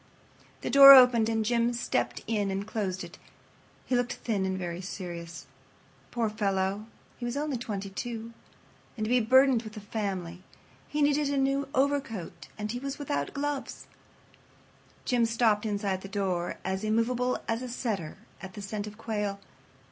The door opened and Jim stepped in and closed it. He looked thin and very serious. Poor fellow, he was only twenty two—and to be burdened with a family! He needed a new overcoat and he was without gloves. Jim stopped inside the door, as immovable as a setter at the scent of quail.